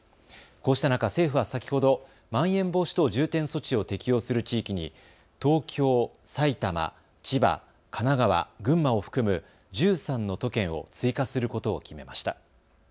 こうした中、政府は先ほどまん延防止等重点措置を適用する地域に東京、埼玉、千葉、神奈川、群馬を含む１３の都県を追加することを決めました。